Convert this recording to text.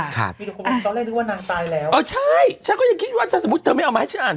ค่ะค่ะอ่าอ๋อใช่ฉันก็ยังคิดว่าถ้าสมมุติเธอไม่เอามาให้ฉันอ่าน